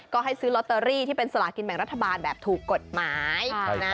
ก็ให้ซื้อลอตเตอรี่ที่เป็นสลากินแบ่งรัฐบาลแบบถูกกฎหมาย